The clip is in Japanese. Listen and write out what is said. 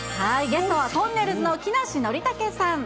ゲストはとんねるずの木梨憲武さん。